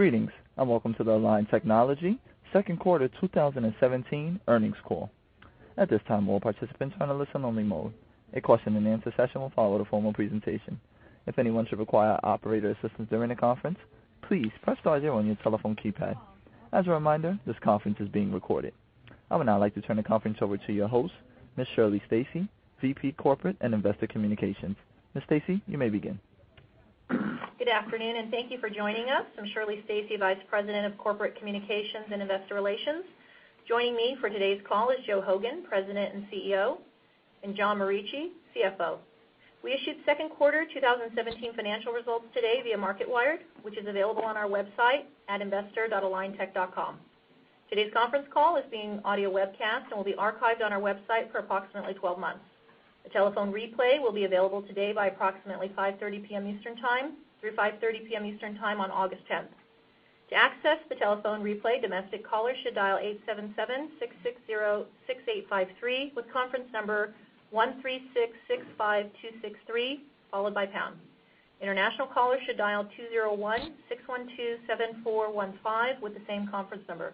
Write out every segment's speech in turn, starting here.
Greetings, and welcome to the Align Technology second quarter 2017 earnings call. At this time, all participants are in a listen-only mode. A question-and-answer session will follow the formal presentation. If anyone should require operator assistance during the conference, please press star zero on your telephone keypad. As a reminder, this conference is being recorded. I would now like to turn the conference over to your host, Ms. Shirley Stacy, VP Corporate and Investor Communications. Ms. Stacy, you may begin. Good afternoon, and thank you for joining us. I'm Shirley Stacy, Vice President of Corporate Communications and Investor Relations. Joining me for today's call is Joe Hogan, President and CEO, and John Morici, CFO. We issued second quarter 2017 financial results today via Marketwired, which is available on our website at investordotaligntechdotcom. Today's conference call is being audio webcast and will be archived on our website for approximately 12 months. The telephone replay will be available today by approximately 5:30 P.M. Eastern Time through 5:30 P.M. Eastern Time on August 10th. To access the telephone replay, domestic callers should dial 877-660-6853 with conference number 1-3665-263, followed by pound. International callers should dial 201-612-7415 with the same conference number.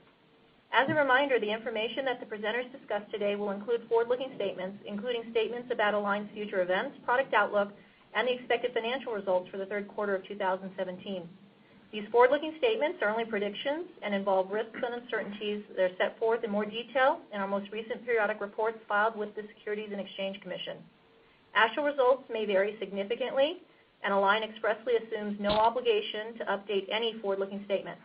As a reminder, the information that the presenters discuss today will include forward-looking statements, including statements about Align's future events, product outlook, and the expected financial results for the third quarter of 2017. These forward-looking statements are only predictions and involve risks and uncertainties that are set forth in more detail in our most recent periodic reports filed with the Securities and Exchange Commission. Actual results may vary significantly, and Align expressly assumes no obligation to update any forward-looking statements.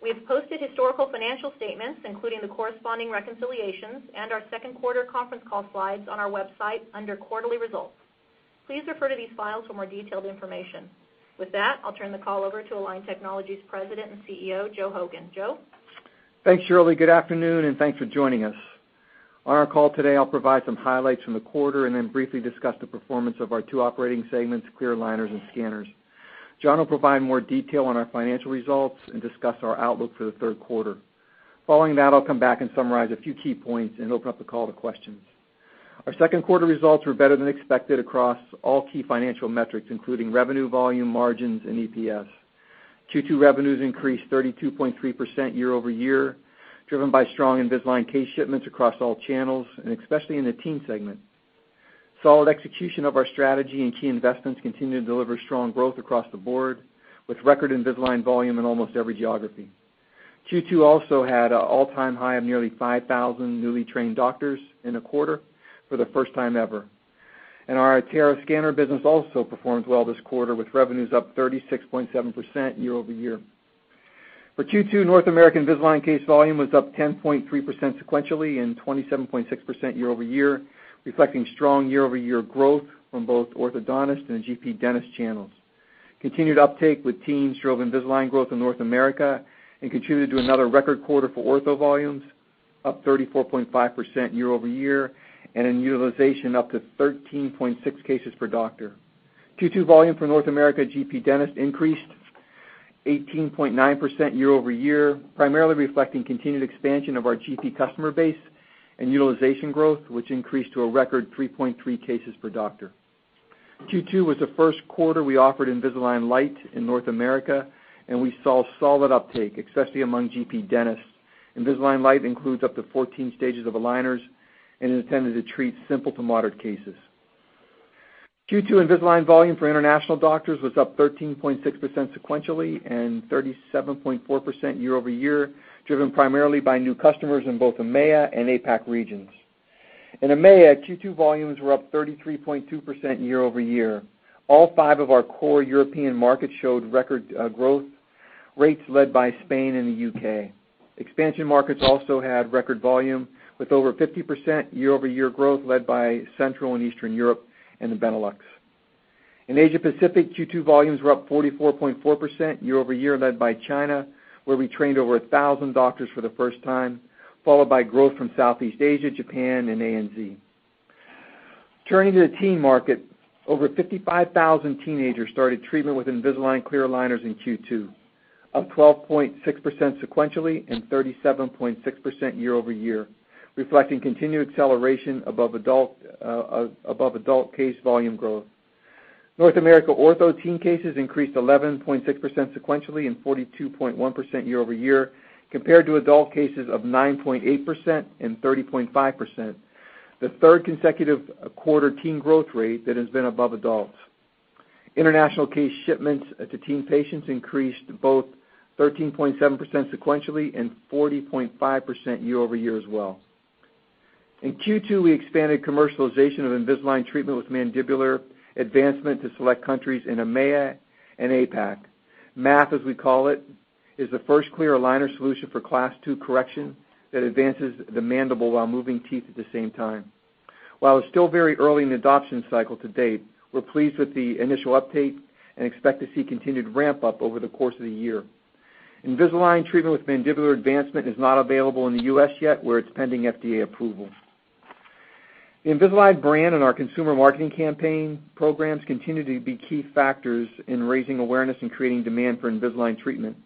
We have posted historical financial statements, including the corresponding reconciliations and our second quarter conference call slides on our website under quarterly results. Please refer to these files for more detailed information. With that, I'll turn the call over to Align Technology's President and CEO, Joe Hogan. Joe? Thanks, Shirley. Good afternoon, and thanks for joining us. On our call today, I'll provide some highlights from the quarter and then briefly discuss the performance of our two operating segments, clear aligners and scanners. John will provide more detail on our financial results and discuss our outlook for the third quarter. Following that, I'll come back and summarize a few key points and open up the call to questions. Our second quarter results were better than expected across all key financial metrics, including revenue volume, margins, and EPS. Q2 revenues increased 32.3% year-over-year, driven by strong Invisalign case shipments across all channels and especially in the teen segment. Solid execution of our strategy and key investments continue to deliver strong growth across the board with record Invisalign volume in almost every geography. Q2 also had an all-time high of nearly 5,000 newly trained doctors in a quarter for the first time ever. Our iTero scanner business also performed well this quarter, with revenues up 36.7% year-over-year. For Q2, North American Invisalign case volume was up 10.3% sequentially and 27.6% year-over-year, reflecting strong year-over-year growth from both orthodontist and GP dentist channels. Continued uptake with teens drove Invisalign growth in North America and contributed to another record quarter for ortho volumes, up 34.5% year-over-year, and in utilization up to 13.6 cases per doctor. Q2 volume for North America GP dentists increased 18.9% year-over-year, primarily reflecting continued expansion of our GP customer base and utilization growth, which increased to a record 3.3 cases per doctor. Q2 was the first quarter we offered Invisalign Lite in North America. We saw solid uptake, especially among GP dentists. Invisalign Lite includes up to 14 stages of aligners and is intended to treat simple to moderate cases. Q2 Invisalign volume for international doctors was up 13.6% sequentially and 37.4% year-over-year, driven primarily by new customers in both EMEA and APAC regions. In EMEA, Q2 volumes were up 33.2% year-over-year. All five of our core European markets showed record growth rates led by Spain and the U.K. Expansion markets also had record volume with over 50% year-over-year growth led by Central and Eastern Europe and the Benelux. In Asia Pacific, Q2 volumes were up 44.4% year-over-year, led by China, where we trained over 1,000 doctors for the first time, followed by growth from Southeast Asia, Japan, and ANZ. Turning to the teen market, over 55,000 teenagers started treatment with Invisalign clear aligners in Q2, up 12.6% sequentially and 37.6% year-over-year, reflecting continued acceleration above adult case volume growth. North America ortho teen cases increased 11.6% sequentially and 42.1% year-over-year, compared to adult cases of 9.8% and 30.5%, the third consecutive quarter teen growth rate that has been above adults. International case shipments to teen patients increased both 13.7% sequentially and 40.5% year-over-year as well. In Q2, we expanded commercialization of Invisalign treatment with Mandibular Advancement to select countries in EMEA and APAC. MAF, as we call it, is the first clear aligner solution for Class II correction that advances the mandible while moving teeth at the same time. While it's still very early in the adoption cycle to date, we're pleased with the initial uptake and expect to see continued ramp-up over the course of the year. Invisalign treatment with Mandibular Advancement is not available in the U.S. yet, where it's pending FDA approval. The Invisalign brand and our consumer marketing campaign programs continue to be key factors in raising awareness and creating demand for Invisalign treatment.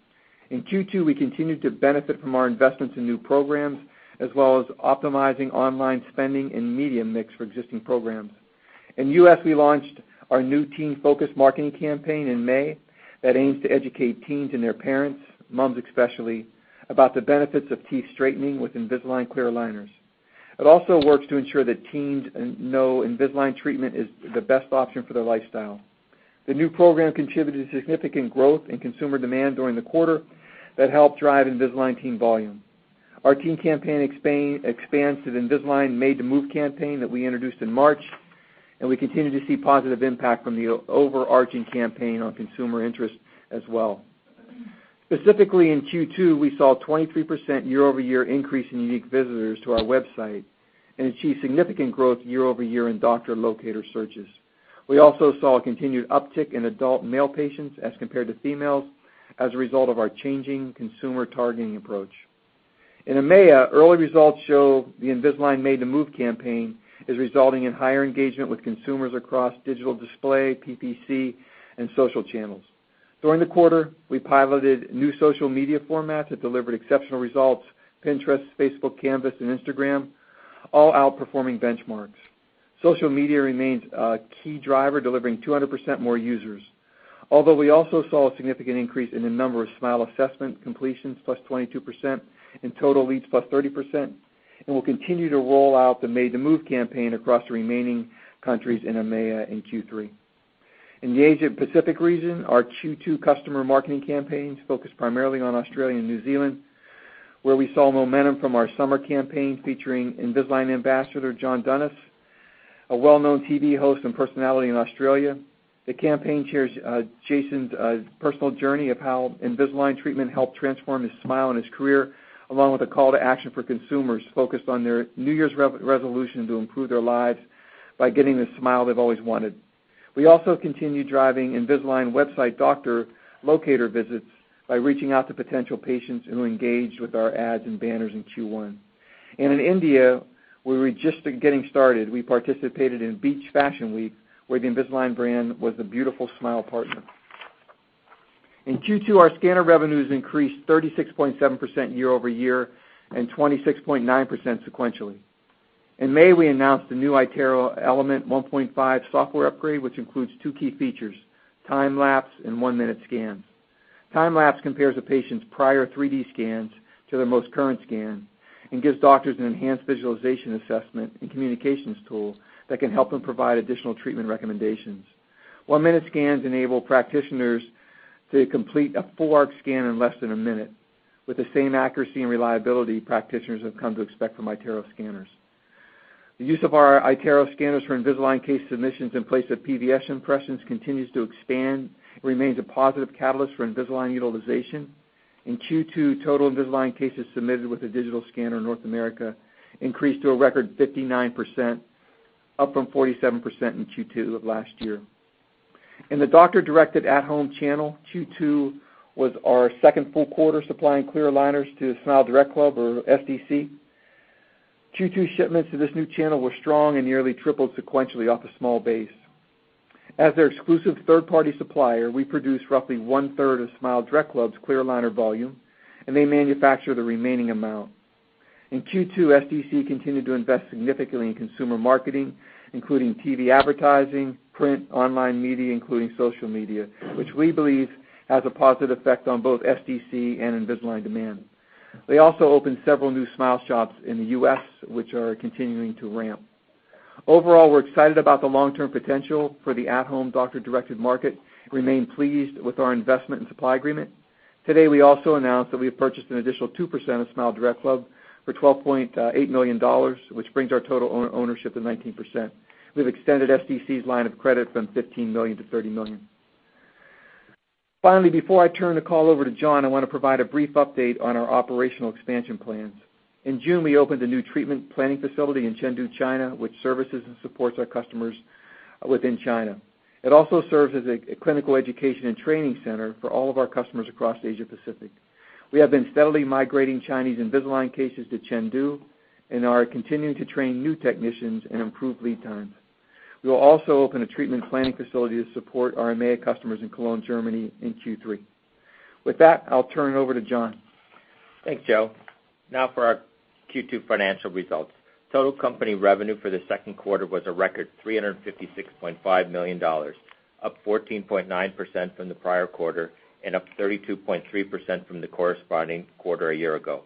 In Q2, we continued to benefit from our investments in new programs, as well as optimizing online spending and media mix for existing programs. In the U.S., we launched our new teen-focused marketing campaign in May that aims to educate teens and their parents, moms especially, about the benefits of teeth straightening with Invisalign clear aligners. It also works to ensure that teens know Invisalign treatment is the best option for their lifestyle. The new program contributed to significant growth in consumer demand during the quarter that helped drive Invisalign teen volume. Our teen campaign expands to the Invisalign Made to Move campaign that we introduced in March, and we continue to see positive impact from the overarching campaign on consumer interest as well. Specifically, in Q2, we saw a 23% year-over-year increase in unique visitors to our website and achieved significant growth year-over-year in doctor locator searches. We also saw a continued uptick in adult male patients as compared to females as a result of our changing consumer targeting approach. In EMEA, early results show the Invisalign Made to Move campaign is resulting in higher engagement with consumers across digital display, PPC, and social channels. During the quarter, we piloted new social media formats that delivered exceptional results. Pinterest, Facebook Canvas, and Instagram all outperforming benchmarks. Social media remains a key driver, delivering 200% more users. Although we also saw a significant increase in the number of smile assessment completions, +22%, and total leads, +30%, and we'll continue to roll out the Made to Move campaign across the remaining countries in EMEA in Q3. In the Asia Pacific region, our Q2 customer marketing campaigns focused primarily on Australia and New Zealand, where we saw momentum from our summer campaign featuring Invisalign ambassador John Burgess, a well-known TV host and personality in Australia. The campaign shares John's personal journey of how Invisalign treatment helped transform his smile and his career, along with a call to action for consumers focused on their New Year's resolution to improve their lives by getting the smile they've always wanted. We also continue driving Invisalign website doctor locator visits by reaching out to potential patients who engaged with our ads and banners in Q1. In India, where we're just getting started, we participated in Beach Fashion Week, where the Invisalign brand was a beautiful smile partner. In Q2, our scanner revenues increased 36.7% year-over-year and 26.9% sequentially. In May, we announced the new iTero Element 1.5 software upgrade, which includes two key features, time lapse and one-minute scans. Time lapse compares a patient's prior 3D scans to their most current scan and gives doctors an enhanced visualization assessment and communications tool that can help them provide additional treatment recommendations. One-minute scans enable practitioners to complete a full-arch scan in less than a minute with the same accuracy and reliability practitioners have come to expect from iTero scanners. The use of our iTero scanners for Invisalign case submissions in place of PVS impressions continues to expand. It remains a positive catalyst for Invisalign utilization. In Q2, total Invisalign cases submitted with a digital scanner in North America increased to a record 59%, up from 47% in Q2 of last year. In the doctor-directed at-home channel, Q2 was our second full quarter supplying clear aligners to SmileDirectClub or SDC. Q2 shipments to this new channel were strong and nearly tripled sequentially off a small base. As their exclusive third-party supplier, we produce roughly one-third of SmileDirectClub's clear aligner volume, and they manufacture the remaining amount. In Q2, SDC continued to invest significantly in consumer marketing, including TV advertising, print, online media, including social media, which we believe has a positive effect on both SDC and Invisalign demand. They also opened several new SmileShops in the U.S., which are continuing to ramp. Overall, we're excited about the long-term potential for the at-home doctor-directed market, remain pleased with our investment and supply agreement. Today, we also announced that we have purchased an additional 2% of SmileDirectClub for $12.8 million, which brings our total ownership to 19%. We've extended SDC's line of credit from $15 million to $30 million. Finally, before I turn the call over to John, I want to provide a brief update on our operational expansion plans. In June, we opened a new treatment planning facility in Chengdu, China, which services and supports our customers within China. It also serves as a clinical education and training center for all of our customers across Asia Pacific. We have been steadily migrating Chinese Invisalign cases to Chengdu and are continuing to train new technicians and improve lead times. We will also open a treatment planning facility to support our EMEA customers in Cologne, Germany, in Q3. With that, I'll turn it over to John. Thanks, Joe. Now for our Q2 financial results. Total company revenue for the second quarter was a record $356.5 million, up 14.9% from the prior quarter and up 32.3% from the corresponding quarter a year ago.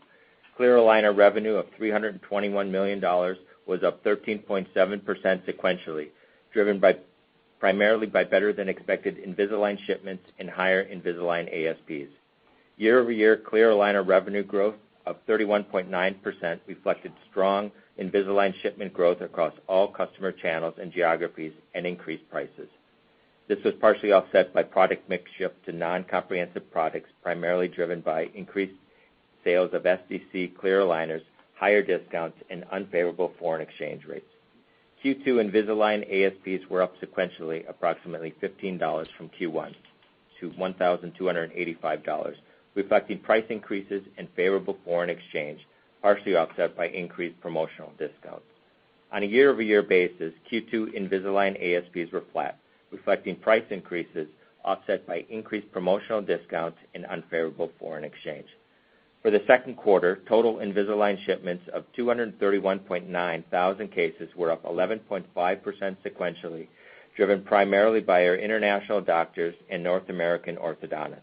Clear aligner revenue of $321 million was up 13.7% sequentially, driven primarily by better-than-expected Invisalign shipments and higher Invisalign ASPs. Year-over-year clear aligner revenue growth of 31.9% reflected strong Invisalign shipment growth across all customer channels and geographies and increased prices. This was partially offset by product mix shift to non-comprehensive products, primarily driven by increased sales of SDC clear aligners, higher discounts, and unfavorable foreign exchange rates. Q2 Invisalign ASPs were up sequentially approximately $15 from Q1 to $1,285, reflecting price increases and favorable foreign exchange, partially offset by increased promotional discounts. On a year-over-year basis, Q2 Invisalign ASPs were flat, reflecting price increases offset by increased promotional discounts and unfavorable foreign exchange. For the second quarter, total Invisalign shipments of 231.9 thousand cases were up 11.5% sequentially, driven primarily by our international doctors and North American orthodontists.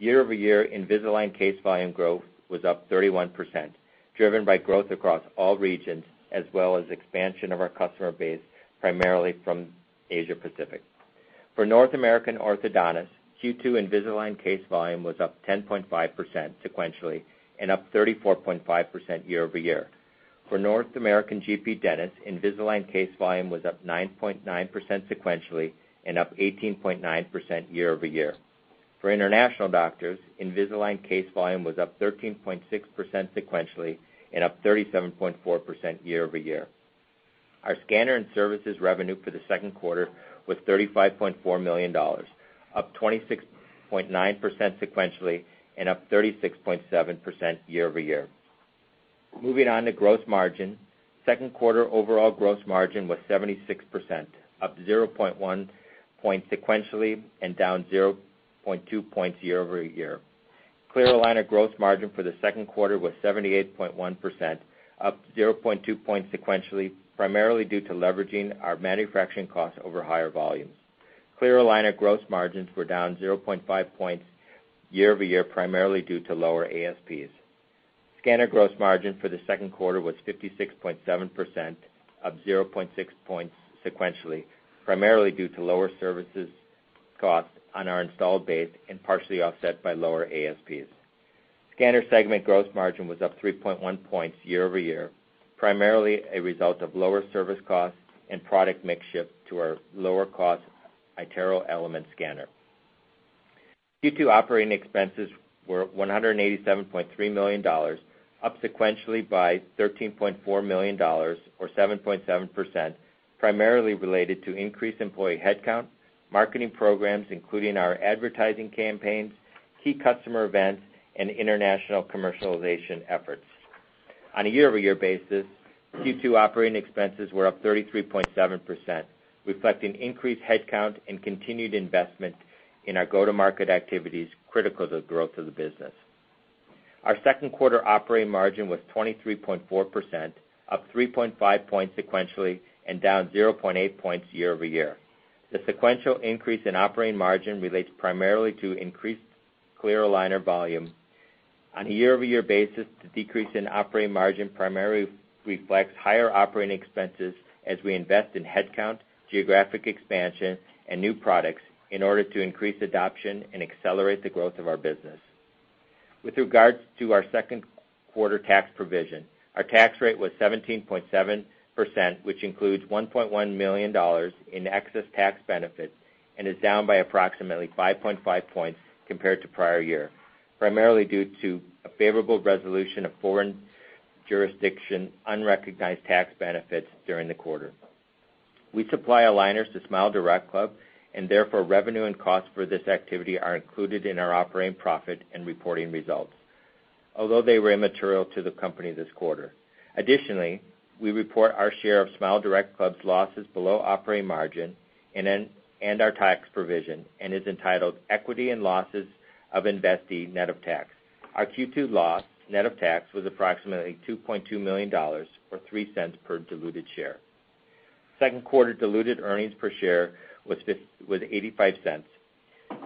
Year-over-year, Invisalign case volume growth was up 31%, driven by growth across all regions, as well as expansion of our customer base, primarily from Asia Pacific. For North American orthodontists, Q2 Invisalign case volume was up 10.5% sequentially and up 34.5% year-over-year. For North American GP dentists, Invisalign case volume was up 9.9% sequentially and up 18.9% year-over-year. For international doctors, Invisalign case volume was up 13.6% sequentially and up 37.4% year-over-year. Our scanner and services revenue for the second quarter was $35.4 million, up 26.9% sequentially and up 36.7% year-over-year. Moving on to gross margin. Second quarter overall gross margin was 76%, up 0.1 point sequentially and down 0.2 points year-over-year. Clear aligner gross margin for the second quarter was 78.1%, up 0.2 points sequentially, primarily due to leveraging our manufacturing costs over higher volumes. Clear aligner gross margins were down 0.5 points year-over-year, primarily due to lower ASPs. Scanner gross margin for the second quarter was 56.7%, up 0.6 points sequentially, primarily due to lower services costs on our installed base and partially offset by lower ASPs. Scanner segment gross margin was up 3.1 points year-over-year, primarily a result of lower service costs and product mix shift to our lower-cost iTero Element scanner. Q2 operating expenses were $187.3 million, up sequentially by $13.4 million or 7.7%, primarily related to increased employee headcount, marketing programs, including our advertising campaigns, key customer events, and international commercialization efforts. On a year-over-year basis, Q2 operating expenses were up 33.7%, reflecting increased headcount and continued investment in our go-to-market activities critical to the growth of the business. Our second quarter operating margin was 23.4%, up 3.5 points sequentially and down 0.8 points year-over-year. The sequential increase in operating margin relates primarily to increased clear aligner volume. On a year-over-year basis, the decrease in operating margin primarily reflects higher operating expenses as we invest in headcount, geographic expansion, and new products in order to increase adoption and accelerate the growth of our business. With regards to our second quarter tax provision, our tax rate was 17.7%, which includes $1.1 million in excess tax benefits and is down by approximately 5.5 points compared to prior year, primarily due to a favorable resolution of foreign jurisdiction unrecognized tax benefits during the quarter. We supply aligners to SmileDirectClub. Therefore, revenue and costs for this activity are included in our operating profit and reporting results, although they were immaterial to the company this quarter. Additionally, we report our share of SmileDirectClub's losses below operating margin and our tax provision and is entitled "Equity in Losses of Investee, Net of Tax." Our Q2 loss net of tax was approximately $2.2 million, or $0.03 per diluted share. Second quarter diluted earnings per share was $0.85,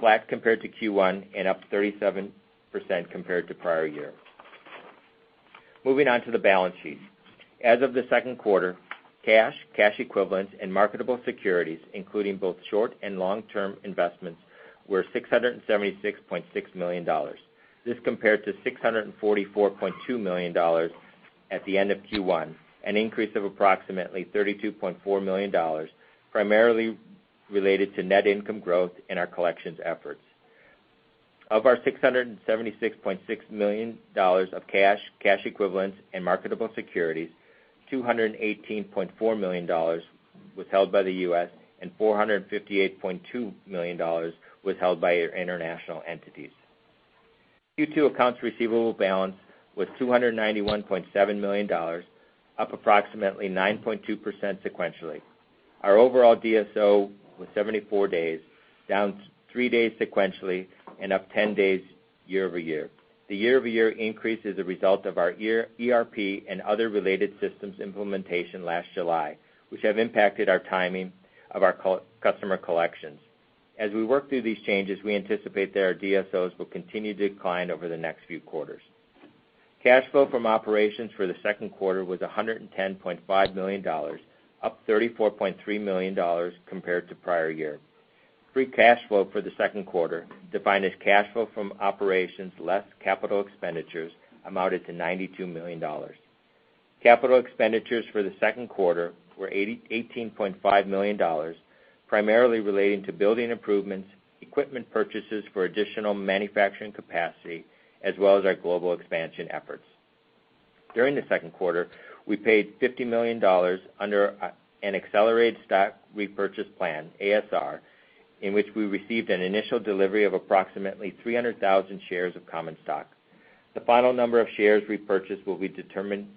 flat compared to Q1 and up 37% compared to prior year. Moving on to the balance sheet. As of the second quarter, cash equivalents, and marketable securities, including both short and long-term investments, were $676.6 million. This compared to $644.2 million at the end of Q1, an increase of approximately $32.4 million, primarily related to net income growth and our collections efforts. Of our $676.6 million of cash equivalents, and marketable securities, $218.4 million was held by the U.S., and $458.2 million was held by our international entities. Q2 accounts receivable balance was $291.7 million, up approximately 9.2% sequentially. Our overall DSO was 74 days, down three days sequentially and up 10 days year-over-year. The year-over-year increase is a result of our ERP and other related systems implementation last July, which have impacted our timing of our customer collections. As we work through these changes, we anticipate that our DSOs will continue to decline over the next few quarters. Cash flow from operations for the second quarter was $110.5 million, up $34.3 million compared to prior year. Free cash flow for the second quarter, defined as cash flow from operations less capital expenditures, amounted to $92 million. Capital expenditures for the second quarter were $18.5 million, primarily relating to building improvements, equipment purchases for additional manufacturing capacity, as well as our global expansion efforts. During the second quarter, we paid $50 million under an accelerated stock repurchase plan, ASR, in which we received an initial delivery of approximately 300,000 shares of common stock. The final number of shares repurchased will be determined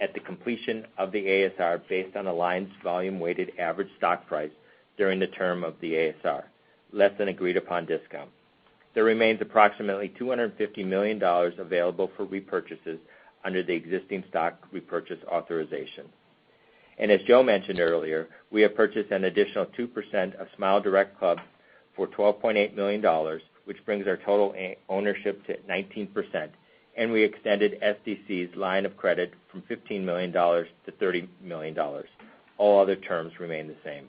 at the completion of the ASR based on Align's volume weighted average stock price during the term of the ASR, less an agreed upon discount. There remains approximately $250 million available for repurchases under the existing stock repurchase authorization. As Joe mentioned earlier, we have purchased an additional 2% of SmileDirectClub for $12.8 million, which brings our total ownership to 19%, and we extended SDC's line of credit from $15 million to $30 million. All other terms remain the same.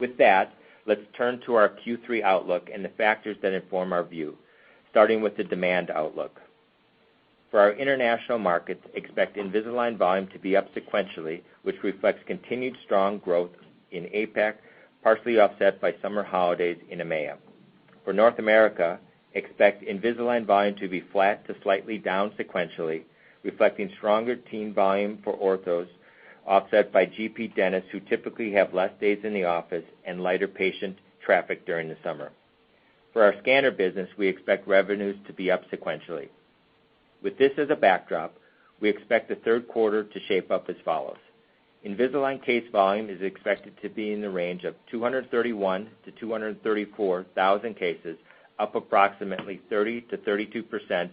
With that, let's turn to our Q3 outlook and the factors that inform our view, starting with the demand outlook. For our international markets, expect Invisalign volume to be up sequentially, which reflects continued strong growth in APAC, partially offset by summer holidays in EMEA. For North America, expect Invisalign volume to be flat to slightly down sequentially, reflecting stronger teen volume for orthos, offset by GP dentists who typically have less days in the office and lighter patient traffic during the summer. For our scanner business, we expect revenues to be up sequentially. With this as a backdrop, we expect the third quarter to shape up as follows. Invisalign case volume is expected to be in the range of 231,000-234,000 cases, up approximately 30%-32%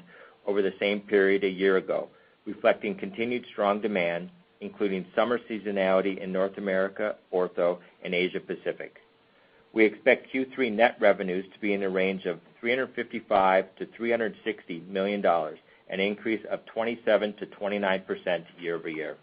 over the same period a year ago, reflecting continued strong demand, including summer seasonality in North America, ortho, and Asia Pacific. We expect Q3 net revenues to be in the range of $355 million-$360 million, an increase of 27%-29% year-over-year.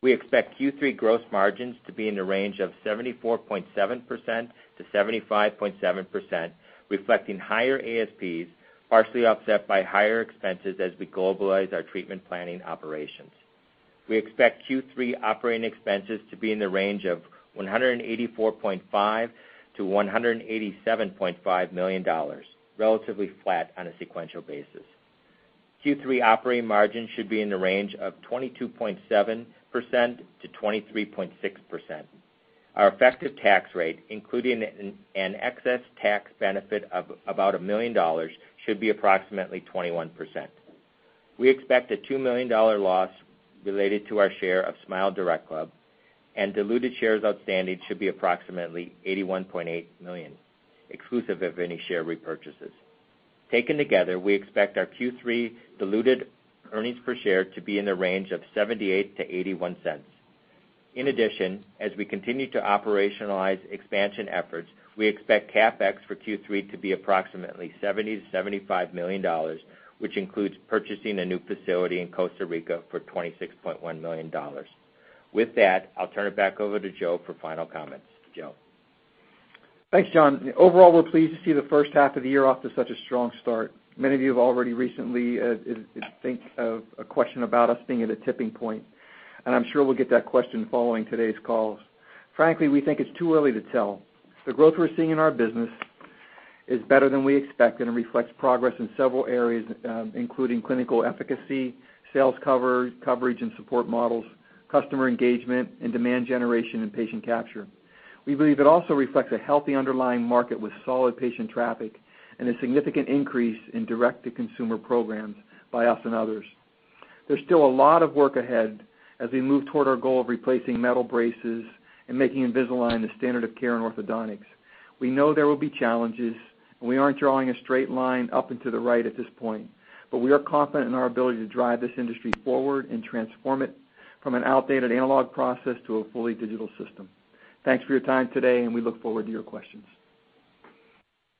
We expect Q3 gross margins to be in the range of 74.7%-75.7%, reflecting higher ASPs, partially offset by higher expenses as we globalize our treatment planning operations. We expect Q3 operating expenses to be in the range of $184.5 million-$187.5 million, relatively flat on a sequential basis. Q3 operating margin should be in the range of 22.7%-23.6%. Our effective tax rate, including an excess tax benefit of about $1 million, should be approximately 21%. We expect a $2 million loss related to our share of SmileDirectClub, and diluted shares outstanding should be approximately 81.8 million, exclusive of any share repurchases. Taken together, we expect our Q3 diluted earnings per share to be in the range of $0.78-$0.81. In addition, as we continue to operationalize expansion efforts, we expect CapEx for Q3 to be approximately $70 million-$75 million, which includes purchasing a new facility in Costa Rica for $26.1 million. With that, I'll turn it back over to Joe for final comments. Joe. Thanks, John. Overall, we're pleased to see the first half of the year off to such a strong start. Many of you have already recently thought of a question about us being at a tipping point, and I'm sure we'll get that question following today's call. Frankly, we think it's too early to tell. The growth we're seeing in our business is better than we expected and reflects progress in several areas, including clinical efficacy, sales coverage and support models, customer engagement, and demand generation and patient capture. We believe it also reflects a healthy underlying market with solid patient traffic and a significant increase in direct-to-consumer programs by us and others. There's still a lot of work ahead as we move toward our goal of replacing metal braces and making Invisalign the standard of care in orthodontics. We know there will be challenges, and we aren't drawing a straight line up and to the right at this point, but we are confident in our ability to drive this industry forward and transform it from an outdated analog process to a fully digital system. Thanks for your time today, and we look forward to your questions.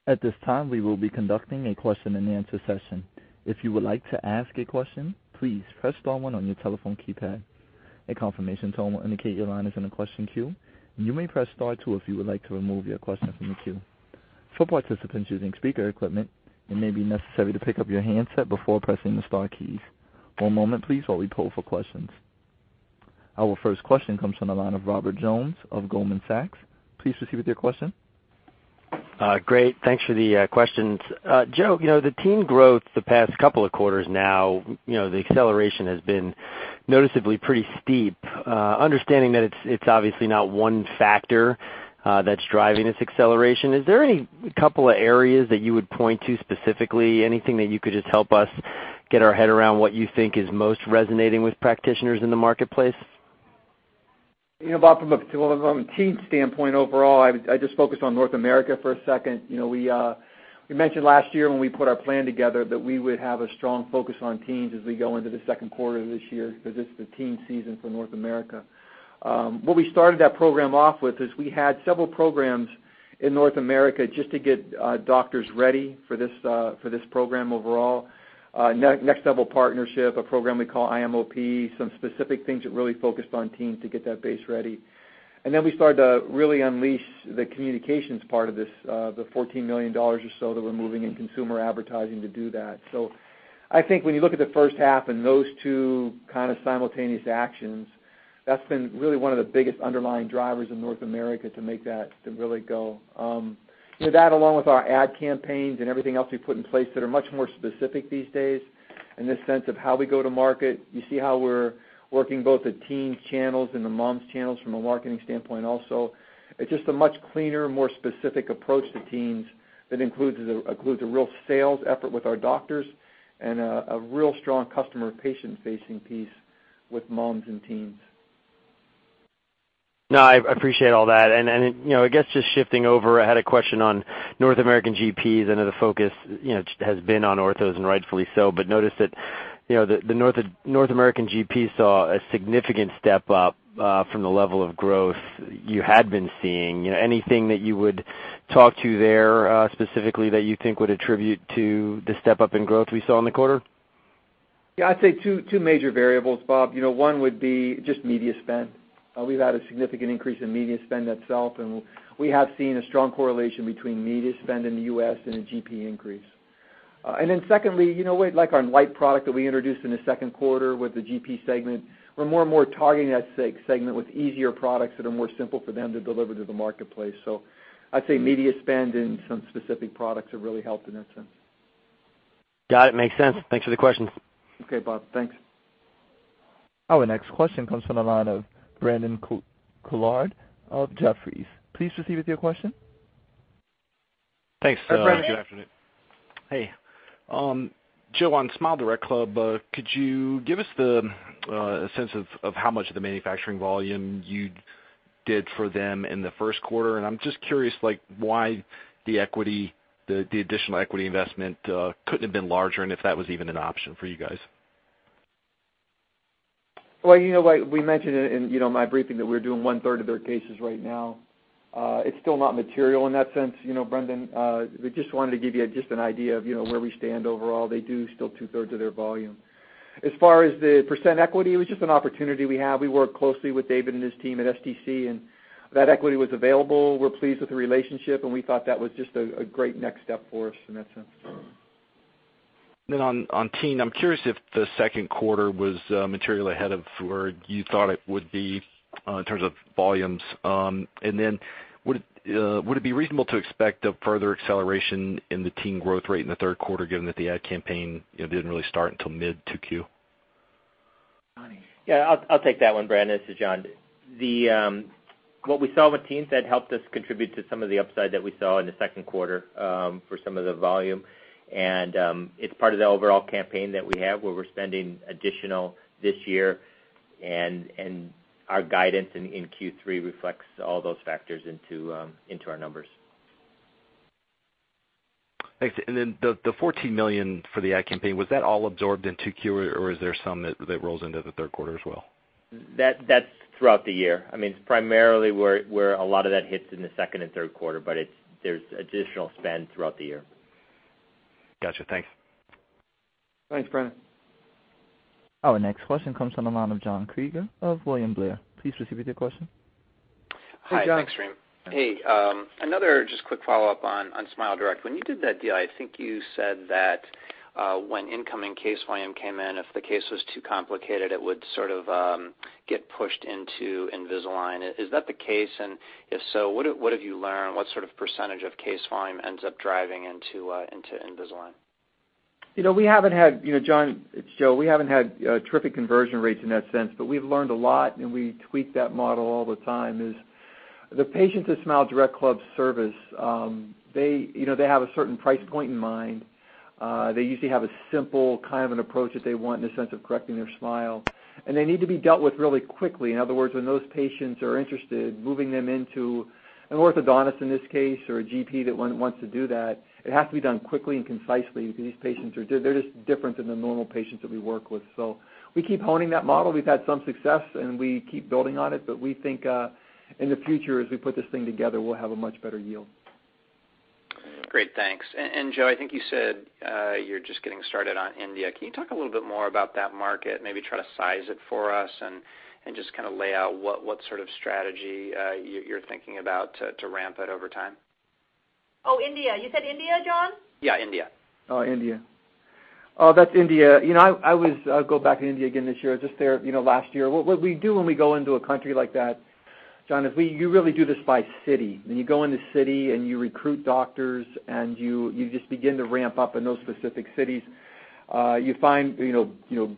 At this time, we will be conducting a question and answer session. If you would like to ask a question, please press star one on your telephone keypad. A confirmation tone will indicate your line is in a question queue, and you may press star two if you would like to remove your question from the queue. For participants using speaker equipment, it may be necessary to pick up your handset before pressing the star keys. One moment, please, while we poll for questions. Our first question comes from the line of Robert Jones of Goldman Sachs. Please proceed with your question. Great. Thanks for the questions. Joe, the teen growth the past couple of quarters now, the acceleration has been noticeably pretty steep. Understanding that it's obviously not one factor that's driving this acceleration, is there any couple of areas that you would point to specifically? Anything that you could just help us get our head around what you think is most resonating with practitioners in the marketplace? Bob, from a teen standpoint overall, I'd just focus on North America for a second. We mentioned last year when we put our plan together that we would have a strong focus on teens as we go into the second quarter of this year, because it's the teen season for North America. What we started that program off with is we had several programs in North America just to get doctors ready for this program overall. Next Level Partnership, a program we call IMOP, some specific things that really focused on teens to get that base ready. Then we started to really unleash the communications part of this, the $14 million or so that we're moving in consumer advertising to do that. I think when you look at the first half and those two kind of simultaneous actions, that's been really one of the biggest underlying drivers of North America to make that to really go. That along with our ad campaigns and everything else we've put in place that are much more specific these days in the sense of how we go to market. You see how we're working both the teen channels and the moms channels from a marketing standpoint also. It's just a much cleaner, more specific approach to teens that includes a real sales effort with our doctors and a real strong customer-patient facing piece with moms and teens. No, I appreciate all that. I guess just shifting over, I had a question on North American GPs. I know the focus has been on orthos, and rightfully so, but noticed that the North American GP saw a significant step up from the level of growth you had been seeing. Anything that you would talk to there specifically that you think would attribute to the step-up in growth we saw in the quarter? Yeah, I'd say two major variables, Bob. One would be just media spend. We've had a significant increase in media spend itself, and we have seen a strong correlation between media spend in the U.S. and a GP increase. Then secondly, like our Lite product that we introduced in the second quarter with the GP segment, we're more and more targeting that segment with easier products that are more simple for them to deliver to the marketplace. I'd say media spend and some specific products have really helped in that sense. Got it. Makes sense. Thanks for the questions. Okay. Bye. Thanks. Our next question comes from the line of Brandon Couillard of Jefferies. Please proceed with your question. Thanks. Hi, Brandon. Good afternoon. Hey. Joe, on SmileDirectClub, could you give us the sense of how much of the manufacturing volume you did for them in the first quarter? I'm just curious why the additional equity investment couldn't have been larger, and if that was even an option for you guys. Well, we mentioned it in my briefing that we're doing one-third of their cases right now. It's still not material in that sense, Brandon. We just wanted to give you just an idea of where we stand overall. They do still two-thirds of their volume. As far as the percent equity, it was just an opportunity we had. We work closely with David and his team at SDC. That equity was available. We're pleased with the relationship. We thought that was just a great next step for us in that sense. On Teen, I'm curious if the second quarter was material ahead of where you thought it would be in terms of volumes. Would it be reasonable to expect a further acceleration in the Teen growth rate in the third quarter, given that the ad campaign didn't really start until mid 2Q? Jon. Yeah, I'll take that one, Brandon. This is John. What we saw with Teen said helped us contribute to some of the upside that we saw in the second quarter for some of the volume. It's part of the overall campaign that we have, where we're spending additional this year. Our guidance in Q3 reflects all those factors into our numbers. Thanks. Then the $14 million for the ad campaign, was that all absorbed in 2Q, or is there some that rolls into the third quarter as well? That's throughout the year. I mean, primarily where a lot of that hits in the second and third quarter, but there's additional spend throughout the year. Got you. Thanks. Thanks, Brandon. Our next question comes from the line of John Kreger of William Blair. Please proceed with your question. Hey, John. Hi. Thanks, [Reem]. Hey. Another just quick follow-up on SmileDirect. When you did that deal, I think you said that when incoming case volume came in, if the case was too complicated, it would sort of get pushed into Invisalign. Is that the case? If so, what have you learned? What sort of percentage of case volume ends up driving into Invisalign? You know, John, it's Joe. We haven't had terrific conversion rates in that sense. We've learned a lot. We tweak that model all the time is the patients of SmileDirectClub service, they have a certain price point in mind. They usually have a simple kind of an approach that they want in the sense of correcting their smile. They need to be dealt with really quickly. In other words, when those patients are interested, moving them into an orthodontist in this case, or a GP that wants to do that, it has to be done quickly and concisely because these patients, they're just different than the normal patients that we work with. We keep honing that model. We've had some success. We keep building on it. We think, in the future, as we put this thing together, we'll have a much better yield. Great. Thanks. Joe, I think you said, you're just getting started on India. Can you talk a little bit more about that market, maybe try to size it for us and just kind of lay out what sort of strategy you're thinking about to ramp it over time? Oh, India. You said India, John? Yeah, India. Oh, India. Oh, that's India. I'll go back to India again this year. I was just there last year. What we do when we go into a country like that, John, is you really do this by city, and you go in the city, and you recruit doctors, and you just begin to ramp up in those specific cities. You find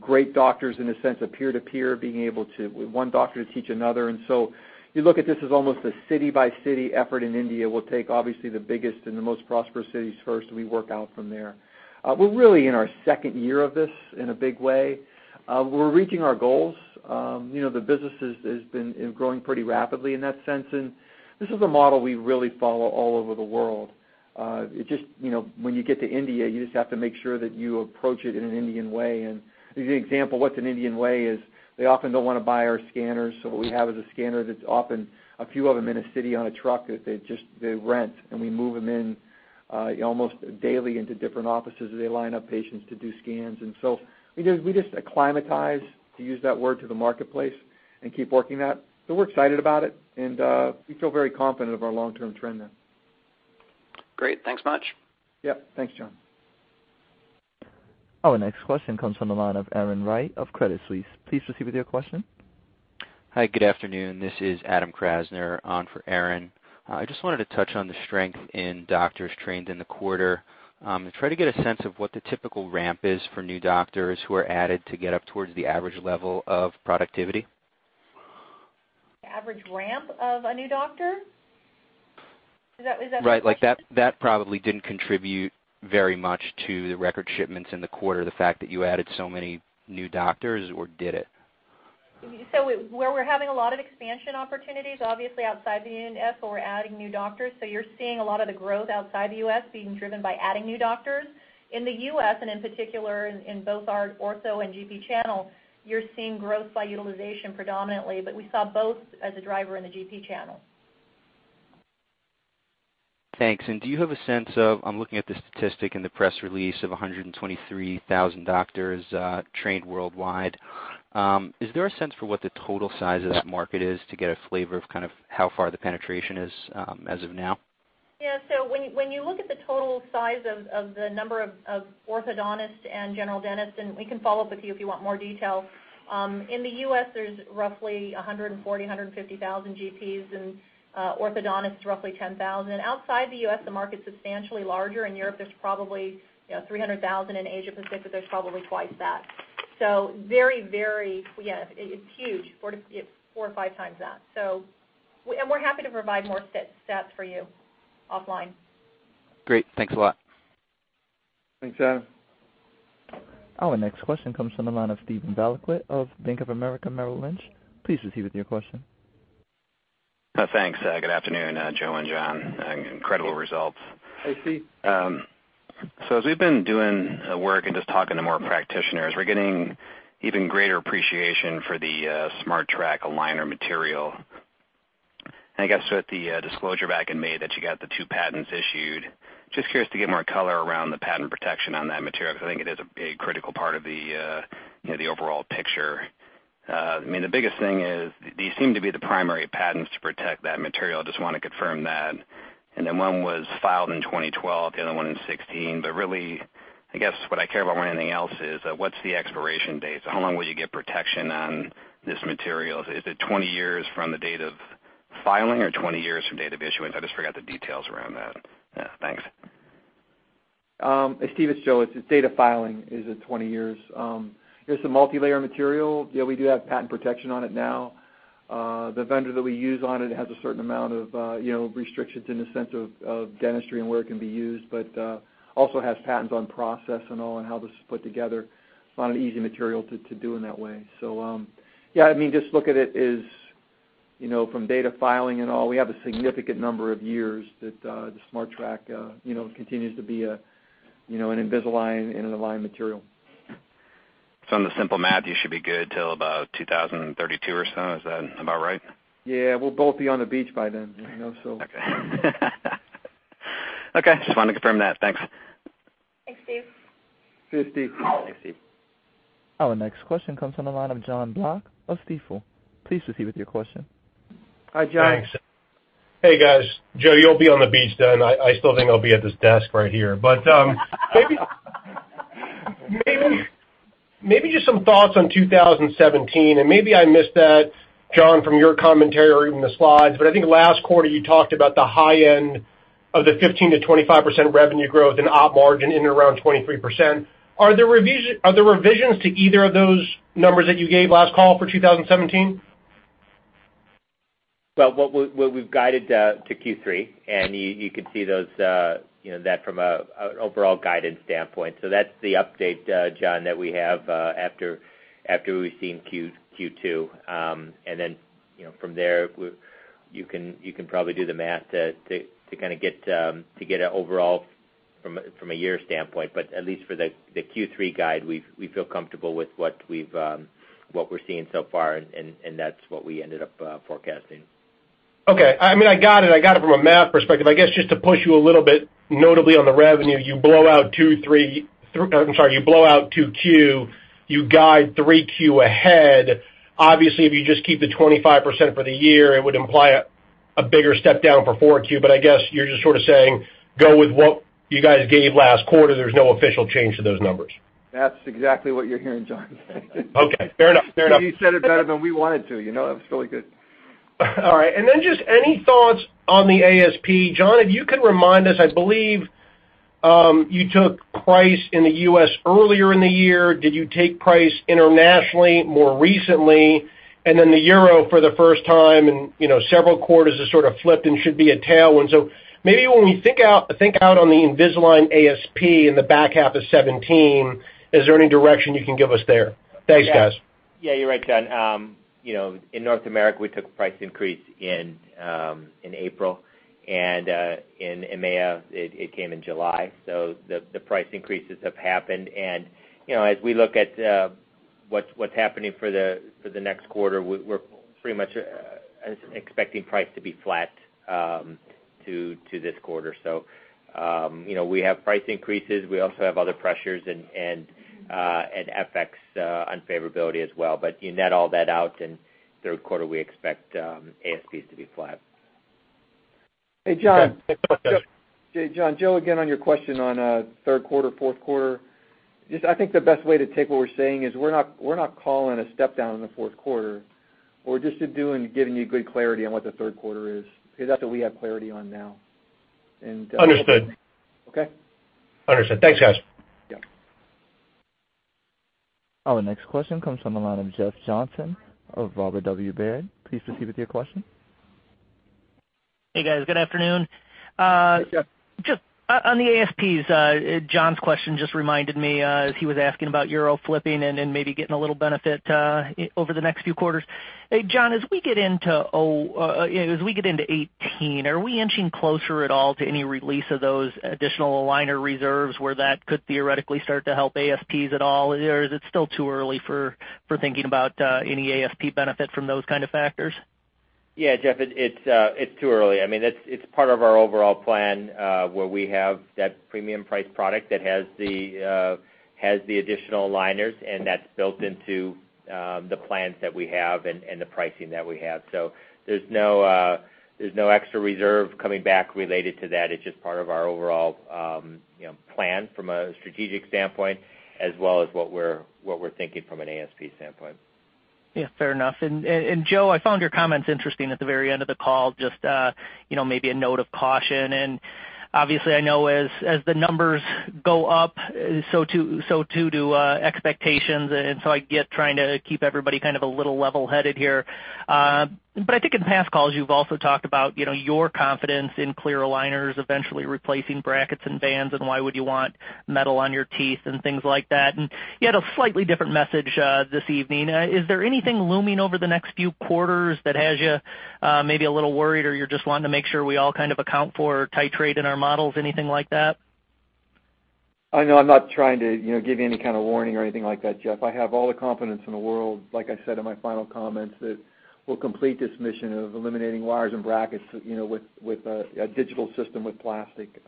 great doctors in the sense of peer-to-peer, being able to one doctor to teach another. You look at this as almost a city-by-city effort in India. We'll take obviously the biggest and the most prosperous cities first. We work out from there. We're really in our second year of this in a big way. We're reaching our goals. The business has been growing pretty rapidly in that sense, and this is a model we really follow all over the world. When you get to India, you just have to make sure that you approach it in an Indian way. As an example, what an Indian way is, they often don't want to buy our scanners. What we have is a scanner that's often a few of them in a city on a truck that they rent, and we move them in almost daily into different offices. They line up patients to do scans. We just acclimatize, to use that word, to the marketplace and keep working that. We're excited about it, and we feel very confident of our long-term trend there. Great. Thanks much. Yeah. Thanks, John. Our next question comes from the line of Erin Wright of Credit Suisse. Please proceed with your question. Hi. Good afternoon. This is Adam Krasner on for Erin Wright. I just wanted to touch on the strength in doctors trained in the quarter. To try to get a sense of what the typical ramp is for new doctors who are added to get up towards the average level of productivity. Average ramp of a new doctor? Right. That probably didn't contribute very much to the record shipments in the quarter, the fact that you added so many new doctors, or did it? Where we're having a lot of expansion opportunities, obviously outside the U.S., where we're adding new doctors, you're seeing a lot of the growth outside the U.S. being driven by adding new doctors. In the U.S., and in particular, in both our ortho and GP channel, you're seeing growth by utilization predominantly. We saw both as a driver in the GP channel. Thanks. Do you have a sense of, I'm looking at the statistic in the press release of 123,000 doctors trained worldwide. Is there a sense for what the total size of that market is to get a flavor of kind of how far the penetration is as of now? Yeah. When you look at the total size of the number of orthodontists and general dentists, we can follow up with you if you want more detail. In the U.S., there's roughly 140,000, 150,000 GPs and orthodontists, roughly 10,000. Outside the U.S., the market's substantially larger. In Europe, there's probably 300,000. In Asia Pacific, there's probably twice that. It's huge. Four to five times that. We're happy to provide more stats for you offline. Great. Thanks a lot. Thanks, Adam. Our next question comes from the line of Steven Valiquette of Bank of America Merrill Lynch. Please proceed with your question. Thanks. Good afternoon, Joe and John. Incredible results. Hey, Steve. As we've been doing work and just talking to more practitioners, we're getting even greater appreciation for the SmartTrack aligner material. I guess with the disclosure back in May that you got the two patents issued, just curious to get more color around the patent protection on that material, because I think it is a critical part of the overall picture. The biggest thing is these seem to be the primary patents to protect that material. I just want to confirm that. Then one was filed in 2012, the other one in 2016. Really, I guess what I care about more than anything else is, what's the expiration date? How long will you get protection on this material? Is it 20 years from the date of filing or 20 years from date of issuance? I just forgot the details around that. Yeah. Thanks. Steve, it's Joe. Its date of filing is at 20 years. It's a multilayer material. We do have patent protection on it now. The vendor that we use on it has a certain amount of restrictions in the sense of dentistry and where it can be used, but also has patents on process and all and how this is put together. It's not an easy material to do in that way. Just look at it as from date of filing and all, we have a significant number of years that the SmartTrack continues to be an Invisalign and an Align material. On the simple math, you should be good till about 2032 or so. Is that about right? We'll both be on the beach by then. Okay. Okay. Just wanted to confirm that. Thanks. Thanks, Steve. See you, Steve. Thanks, Steve. Our next question comes from the line of Jonathan Block of Stifel. Please proceed with your question. Hi, John. Thanks. Hey, guys. Joe, you'll be on the beach then. I still think I'll be at this desk right here. Maybe just some thoughts on 2017. Maybe I missed that, John, from your commentary or even the slides. I think last quarter, you talked about the high end of the 15%-25% revenue growth and op margin in and around 23%. Are there revisions to either of those numbers that you gave last call for 2017? Well, what we've guided to Q3. You could see that from an overall guidance standpoint. That's the update, John, that we have after we've seen Q2. From there, you can probably do the math to get an overall from a year standpoint. At least for the Q3 guide, we feel comfortable with what we're seeing so far, and that's what we ended up forecasting. Okay. I got it from a math perspective. I guess just to push you a little bit, notably on the revenue, you blow out two Q, you guide three Q ahead. Obviously, if you just keep the 25% for the year, it would imply a bigger step down for four Q. I guess you're just sort of saying go with what you guys gave last quarter. There's no official change to those numbers. That's exactly what you're hearing, John. Okay. Fair enough. He said it better than we wanted to. That was really good. All right. Just any thoughts on the ASP. John, if you could remind us, I believe you took price in the U.S. earlier in the year. Did you take price internationally more recently? The euro for the first time in several quarters has sort of flipped and should be a tailwind. Maybe when we think out on the Invisalign ASP in the back half of 2017, is there any direction you can give us there? Thanks, guys. Yeah, you're right, John. In North America, we took a price increase in April, and in EMEA, it came in July. The price increases have happened. As we look at what's happening for the next quarter, we're pretty much expecting price to be flat to this quarter. We have price increases. We also have other pressures and FX unfavorability as well. You net all that out, and third quarter, we expect ASPs to be flat. Okay. Thanks so much, guys. Hey, John. Joe again. On your question on third quarter, fourth quarter, I think the best way to take what we're saying is we're not calling a step down in the fourth quarter. We're just giving you good clarity on what the third quarter is, because that's what we have clarity on now. Understood. Okay. Understood. Thanks, guys. Yeah. Our next question comes from the line of Jeff Johnson of Robert W. Baird. Please proceed with your question. Hey, guys. Good afternoon. Hey, Jeff. Just on the ASPs, John's question just reminded me as he was asking about euro flipping and then maybe getting a little benefit over the next few quarters. Hey, John, as we get into 2018, are we inching closer at all to any release of those additional aligner reserves where that could theoretically start to help ASPs at all? Or is it still too early for thinking about any ASP benefit from those kind of factors? Jeff, it's too early. It's part of our overall plan, where we have that premium price product that has the additional aligners. That's built into the plans that we have and the pricing that we have. There's no extra reserve coming back related to that. It's just part of our overall plan from a strategic standpoint, as well as what we're thinking from an ASP standpoint. Fair enough. Joe, I found your comments interesting at the very end of the call, just maybe a note of caution. Obviously, I know as the numbers go up, so too do expectations. I get trying to keep everybody a little level-headed here. I think in past calls you've also talked about your confidence in clear aligners eventually replacing brackets and bands, and why would you want metal on your teeth and things like that. You had a slightly different message this evening. Is there anything looming over the next few quarters that has you maybe a little worried or you're just wanting to make sure we all account for titrate in our models, anything like that? I'm not trying to give you any kind of warning or anything like that, Jeff. I have all the confidence in the world, like I said in my final comments, that we'll complete this mission of eliminating wires and brackets with a digital system with plastic.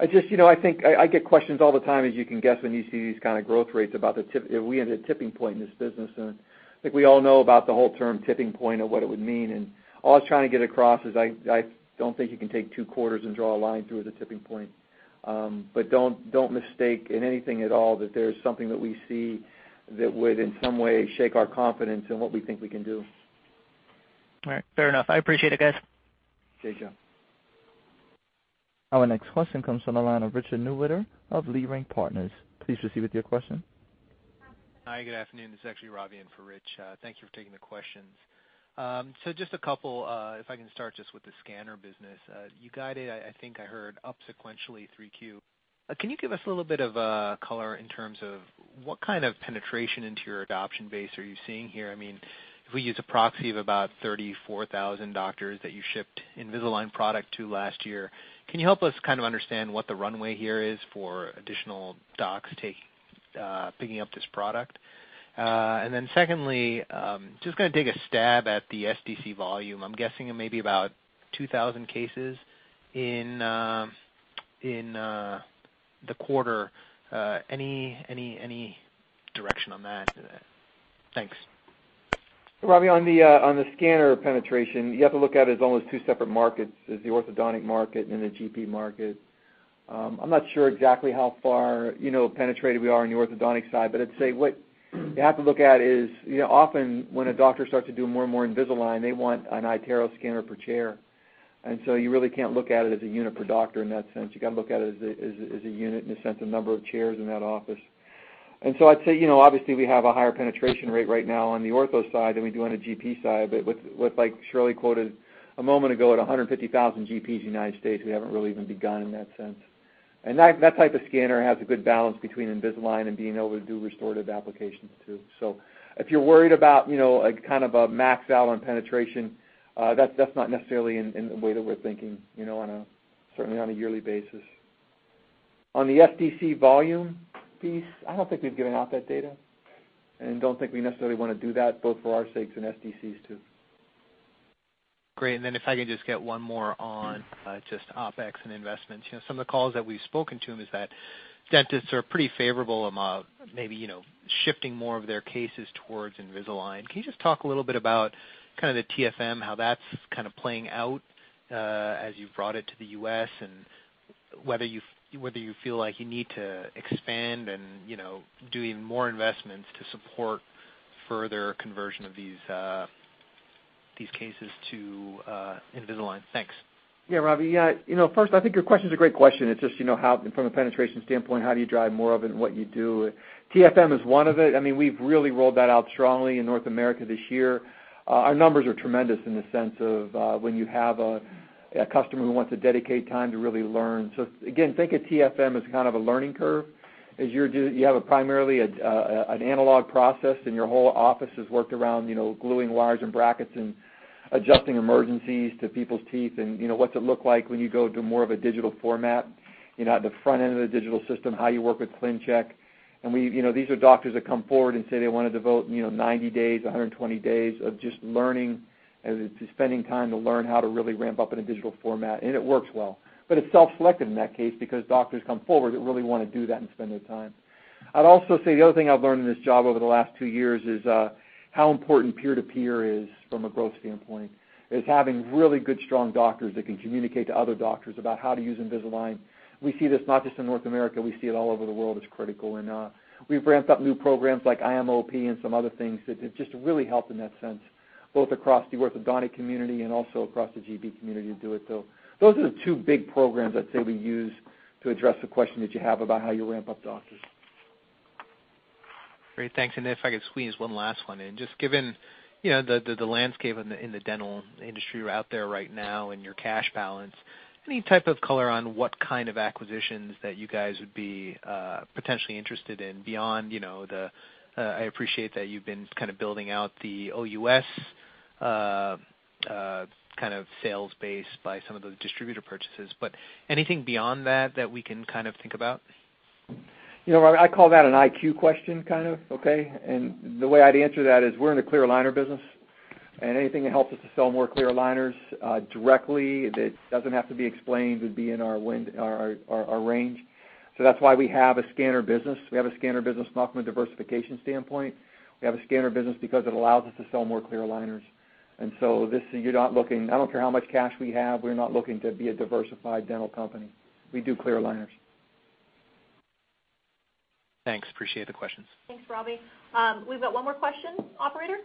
I get questions all the time, as you can guess, when you see these kind of growth rates about if we are at a tipping point in this business. I think we all know about the whole term tipping point and what it would mean. All I was trying to get across is I don't think you can take two quarters and draw a line through as a tipping point. Don't mistake in anything at all that there's something that we see that would in some way shake our confidence in what we think we can do. All right. Fair enough. I appreciate it, guys. Okay, Jeff. Our next question comes from the line of Richard Newitter of Leerink Partners. Please proceed with your question. Hi, good afternoon. This is actually Ravi in for Rich. Thank you for taking the questions. Just a couple, if I can start just with the scanner business. You guided, I think I heard, up sequentially 3Q. Can you give us a little bit of color in terms of what kind of penetration into your adoption base are you seeing here? If we use a proxy of about 34,000 doctors that you shipped Invisalign product to last year, can you help us kind of understand what the runway here is for additional docs picking up this product? Secondly, just going to take a stab at the SDC volume. I'm guessing it may be about 2,000 cases in the quarter. Any direction on that? Thanks. Ravi, on the scanner penetration, you have to look at it as almost two separate markets. There's the orthodontic market and the GP market. I'm not sure exactly how far penetrated we are in the orthodontic side, but I'd say what you have to look at is often when a doctor starts to do more and more Invisalign, they want an iTero scanner per chair. You really can't look at it as a unit per doctor in that sense. You got to look at it as a unit in the sense of number of chairs in that office. I'd say, obviously we have a higher penetration rate right now on the ortho side than we do on the GP side. But with, like Shirley quoted a moment ago, at 150,000 GPs in the United States, we haven't really even begun in that sense. That type of scanner has a good balance between Invisalign and being able to do restorative applications, too. If you're worried about a max out on penetration, that's not necessarily in the way that we're thinking, certainly on a yearly basis. On the SDC volume piece, I don't think we've given out that data. Don't think we necessarily want to do that both for our sakes and SDC's, too. Great. If I could just get one more on just OpEx and investments. Some of the calls that we've spoken to them is that dentists are pretty favorable about maybe shifting more of their cases towards Invisalign. Can you just talk a little bit about kind of the TFM, how that's kind of playing out as you've brought it to the U.S. and whether you feel like you need to expand and doing more investments to support further conversion of these cases to Invisalign? Thanks. Ravi. First, I think your question's a great question. It's just from a penetration standpoint, how do you drive more of it and what you do. TFM is one of it. We've really rolled that out strongly in North America this year. Our numbers are tremendous in the sense of when you have a customer who wants to dedicate time to really learn. Again, think of TFM as kind of a learning curve. As you have primarily an analog process and your whole office has worked around gluing wires and brackets and adjusting emergencies to people's teeth and what's it look like when you go to more of a digital format. At the front end of the digital system, how you work with ClinCheck. These are doctors that come forward and say they want to devote 90 days, 120 days of just learning, to spending time to learn how to really ramp up in a digital format. It works well. It's self-selected in that case because doctors come forward that really want to do that and spend their time. I'd also say the other thing I've learned in this job over the last two years is how important peer-to-peer is from a growth standpoint, is having really good, strong doctors that can communicate to other doctors about how to use Invisalign. We see this not just in North America, we see it all over the world as critical. We've ramped up new programs like IMOP and some other things that have just really helped in that sense. Both across the orthodontic community and also across the GP community to do it though. Those are the two big programs I'd say we use to address the question that you have about how you ramp up doctors. Great. Thanks. If I could squeeze one last one in, just given the landscape in the dental industry out there right now and your cash balance, any type of color on what kind of acquisitions that you guys would be potentially interested in beyond the, I appreciate that you've been kind of building out the OUS kind of sales base by some of the distributor purchases. Anything beyond that we can kind of think about? Ravi, I call that an IQ question kind of, okay? The way I'd answer that is we're in the clear aligner business, anything that helps us to sell more clear aligners directly that doesn't have to be explained would be in our range. That's why we have a scanner business. We have a scanner business not from a diversification standpoint. We have a scanner business because it allows us to sell more clear aligners. You're not looking, I don't care how much cash we have, we're not looking to be a diversified dental company. We do clear aligners. Thanks. Appreciate the questions. Thanks, Ravi. We've got one more question, operator.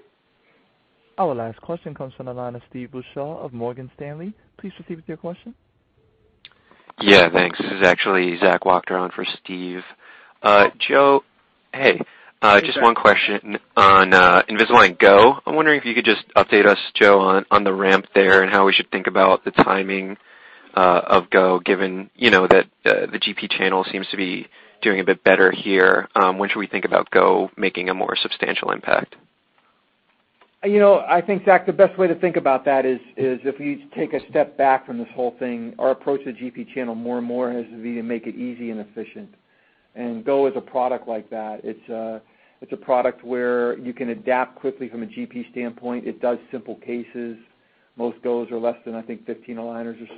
Our last question comes from the line of Steve Beuchaw of Morgan Stanley. Please proceed with your question. Thanks. This is actually Zachary Wachter on for Steve. Joe, hey. Just one question on Invisalign Go. I'm wondering if you could just update us, Joe, on the ramp there and how we should think about the timing of Go, given that the GP channel seems to be doing a bit better here. When should we think about Go making a more substantial impact? I think, Zach, the best way to think about that is if we take a step back from this whole thing, our approach to the GP channel more and more has to be to make it easy and efficient. Go is a product like that. It's a product where you can adapt quickly from a GP standpoint. It does simple cases. Most Go's are less than, I think, 15 aligners or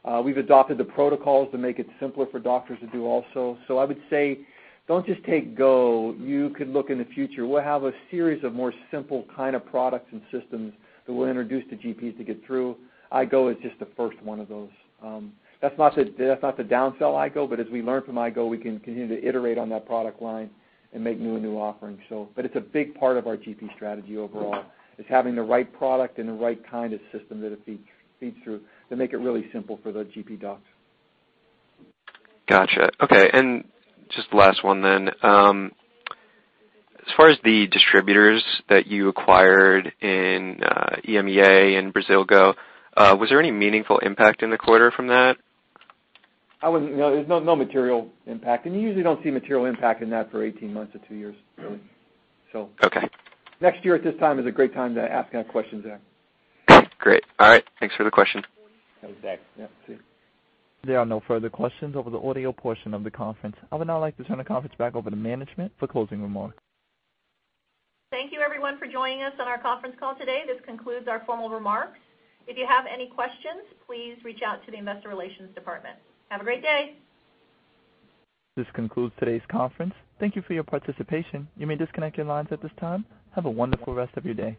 so. We've adopted the protocols to make it simpler for doctors to do also. I would say don't just take Go, you could look in the future. We'll have a series of more simple kind of products and systems that we'll introduce to GPs to get through. Go is just the first one of those. That's not to downfall Go, as we learn from Go, we can continue to iterate on that product line and make new offerings. It's a big part of our GP strategy overall, is having the right product and the right kind of system that it feeds through to make it really simple for the GP docs. Got you. Okay, just last one then. As far as the distributors that you acquired in EMEA, and [Brazil], was there any meaningful impact in the quarter from that? There's no material impact, and you usually don't see material impact in that for 18 months to two years. Okay. Next year at this time is a great time to ask that question, Zach. Great. All right. Thanks for the question. Thanks, Zach. Yeah, see you. There are no further questions over the audio portion of the conference. I would now like to turn the conference back over to management for closing remarks. Thank you everyone for joining us on our conference call today. This concludes our formal remarks. If you have any questions, please reach out to the investor relations department. Have a great day. This concludes today's conference. Thank you for your participation. You may disconnect your lines at this time. Have a wonderful rest of your day.